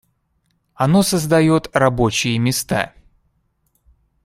Оно создает рабочие места.